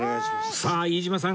さあ飯島さん